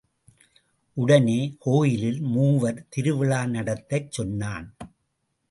உடனே, கோயிலில் மூவர் திருவிழா நடத்தச் சொன்னான்.